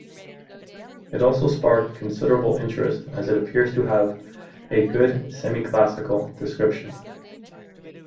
It has sparked considerable interest as it appears to have a good semi-classical description.